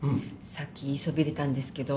さっき言いそびれたんですけど。